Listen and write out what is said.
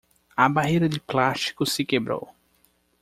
A barreira de plástico se quebrou.